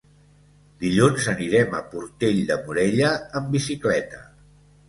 Dilluns anirem a Portell de Morella amb bicicleta.